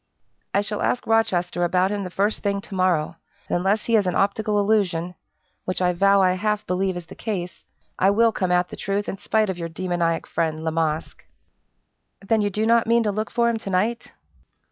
"I shall ask Rochester about him the first thing to morrow; and unless he is an optical illusion which I vow I half believe is the case I will come at the truth in spite of your demoniac friend, La Masque!" "Then you do not mean to look for him to night?"